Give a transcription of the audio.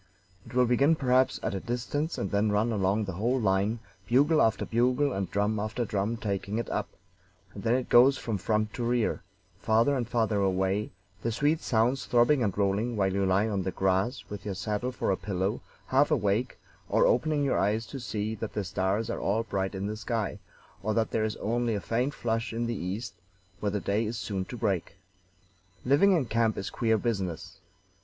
It will begin perhaps at a distance and then run along the whole line, bugle after bugle and drum after drum taking it up, and then it goes from front to rear, farther and farther away, the sweet sounds throbbing and rolling while you lie on the grass with your saddle for a pillow, half awake, or opening your eyes to see that the stars are all bright in the sky, or that there is only a faint flush in the east, where the day is soon to break. "Living in camp is queer business.